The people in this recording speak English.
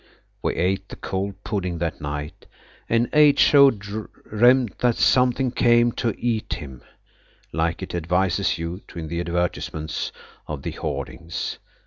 We ate the cold pudding that night, and H.O. dreamed that something came to eat him, like it advises you to in the advertisements on the hoardings.